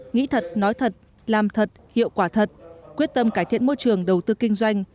nghĩ thật nói thật làm thật hiệu quả thật quyết tâm cải thiện môi trường đầu tư kinh doanh